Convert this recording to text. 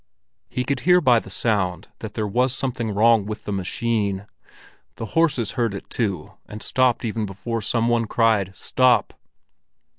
He could hear by the sound that there was something wrong with the machine. The horses heard it too, and stopped even before some one cried "Stop!"